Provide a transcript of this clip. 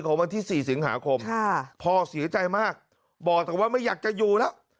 วันที่๔สิงหาคมพ่อเสียใจมากบอกแต่ว่าไม่อยากจะอยู่แล้ว